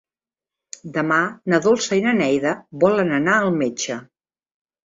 Demà na Dolça i na Neida volen anar al metge.